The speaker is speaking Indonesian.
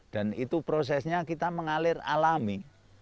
dan itu prosesnya kita mengalir alami